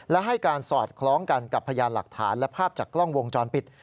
และให้การสอดคล้องกันกับพยานหลักฐานและภาพจากกล้องวงจรปิด